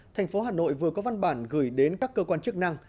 thành phố hà nội vừa có văn bản gửi đến các cơ quan chức năng